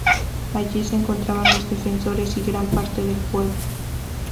Allí se encontraban los defensores y gran parte del pueblo.